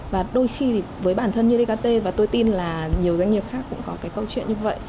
và đôi khi thì với bản thân như dkt và tôi tin là nhiều doanh nghiệp khác cũng có cái câu chuyện như vậy